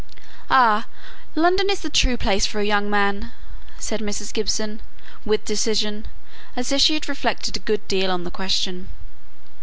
"Ah! London is the true place for a young man," said Mrs. Gibson, with decision, as if she had reflected a good deal on the question.